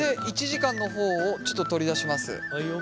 １時間の方をちょっと取り出します。